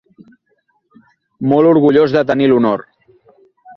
Molt orgullós de tenir l'honor!